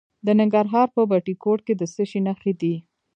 د ننګرهار په بټي کوټ کې د څه شي نښې دي؟